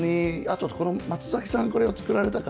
松崎さん、これを作られた方